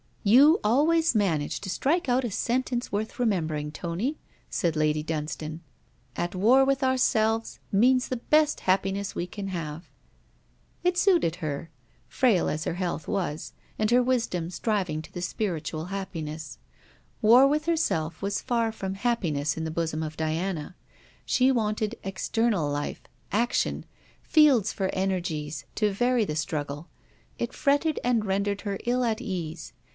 'You always manage to strike out a sentence worth remembering, Tony,' said Lady Dunstane. 'At war with ourselves, means the best happiness we can have.' It suited her, frail as her health was, and her wisdom striving to the spiritual of happiness. War with herself was far from happiness in the bosom of Diana. She wanted external life, action, fields for energies, to vary the struggle. It fretted and rendered her ill at ease.